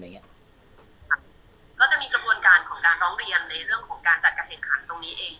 ก็จะมีกระบวนการของการร้องเรียนในเรื่องของการจัดการแข่งขันตรงนี้เอง